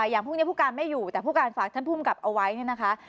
อย่างพวกนี้ผู้การไม่อยู่แต่ผู้การฝากท่านผู้กับเอาไว้นะคะ